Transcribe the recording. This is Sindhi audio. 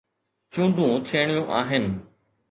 چونڊون ٿيڻيون آهن.